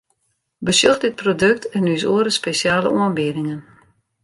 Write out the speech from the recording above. Besjoch dit produkt en ús oare spesjale oanbiedingen!